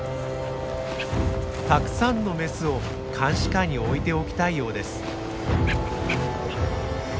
たくさんのメスを監視下に置いておきたいようです。